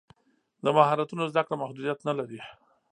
د مهارتونو زده کړه محدودیت نه لري.